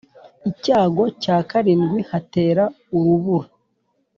Icyago cya karindwi hatera urubura